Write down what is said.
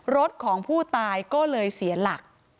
รถของผู้ตายก็เลยเสียหลัก